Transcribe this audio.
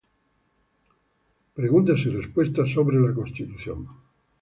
Preguntas y respuestas sobre la Constitución